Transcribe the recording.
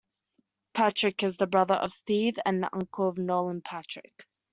Patrick is the brother of Steve and the uncle of Nolan Patrick.